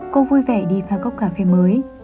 cô vui vẻ đi pha gốc cà phê mới